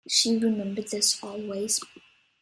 She remembered this always.